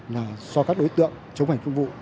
là do các đối tượng chống hành công vụ